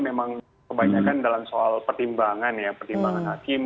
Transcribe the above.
memang kebanyakan dalam soal pertimbangan ya pertimbangan hakim